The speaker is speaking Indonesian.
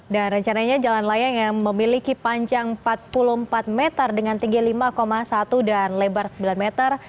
dan rencananya jalan layang yang memiliki panjang empat puluh empat meter dengan tinggi lima satu dan lebar sembilan meter